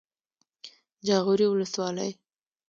جاغوري ولسوالۍ